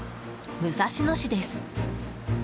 武蔵野市です。